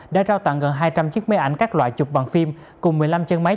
đã trao tặng gần hai trăm linh chiếc máy ảnh các loại chụp bằng phim cùng một mươi năm chân máy